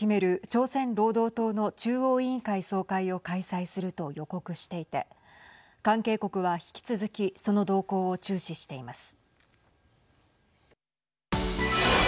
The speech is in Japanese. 朝鮮労働党の中央委員会総会を開催すると予告していて関係国は、引き続きその動向を注視しています。